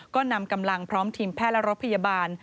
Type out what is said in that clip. ก็นำกำลังพร้อมทีมแพทย์และรถพยาบาล